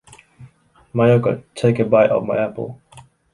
Mayoko take a bite of my apple.